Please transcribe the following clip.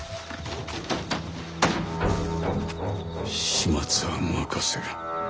始末は任せる。